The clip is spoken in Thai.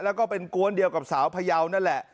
แล้วก็เป็นกวนเดียวกับสาวพยาวนั่นแหละ